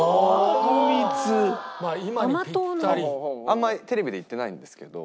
あんまりテレビで言ってないんですけど。